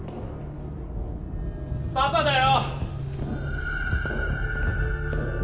パパだよ！